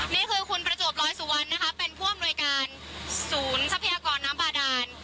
นี่คือคุณประจวบร้อยสุวรรณนะคะเป็นผู้อำนวยการศูนย์ทรัพยากรน้ำบาดาน